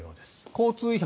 交通違反